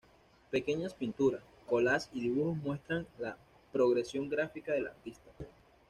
Pequeñas pinturas, "collages" y dibujos muestran la progresión gráfica del artista.